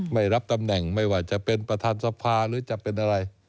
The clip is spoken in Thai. ไม่รับตำแหน่งไม่ว่าจะเป็นประธานสภาหรือจะเป็นอะไร